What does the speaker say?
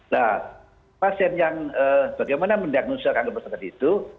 nah pasien yang bagaimana mendiagnosis kanker prostat itu